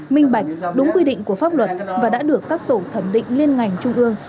minh bạch đúng quy định của pháp luật và đã được các tổ thẩm định liên ngành trung ương